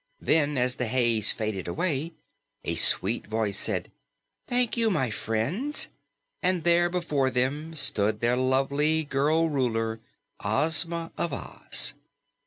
Then, as the haze faded away, a sweet voice said, "Thank you, my friends!" and there before them stood their lovely girl Ruler, Ozma of Oz.